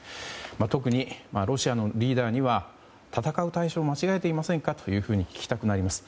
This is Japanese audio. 特にロシアのリーダーには戦う対象を間違えていませんか？というふうに聞きたくなります。